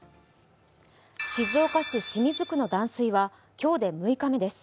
静岡市清水区の断水は今日で６日目です。